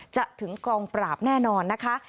ถึงกองปราบแน่นอนนะคะ